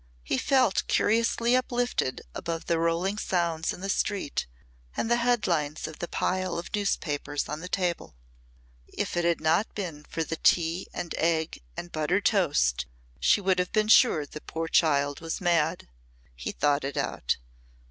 He felt curiously uplifted above the rolling sounds in the street and the headlines of the pile of newspapers on the table. "If it had not been for the tea and egg and buttered toast she would have been sure the poor child was mad." He thought it out.